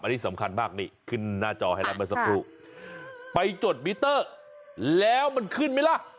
อันนี้สำคัญมากนี่ขึ้นหน้าจอให้แล้วเมื่อสักครู่ไปจดมิเตอร์แล้วมันขึ้นไหมล่ะ